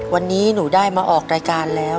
วันนี้หนูได้มาออกรายการแล้ว